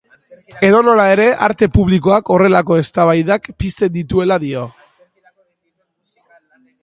Edonola ere, arte publikoak horrelako eztabaidak pizten dituela dio.